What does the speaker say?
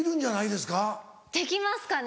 できますかね？